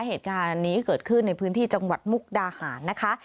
เหตุการณ์นี้เกิดขึ้นในพื้นที่จังหวัดมุกดาหารนะคะ